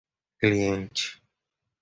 cliente